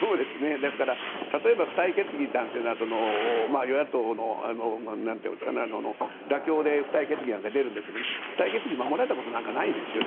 ですから、例えば付帯決議は与野党の妥協で、付帯決議なんかは出るんですが付帯決議守られたことなんかないですよね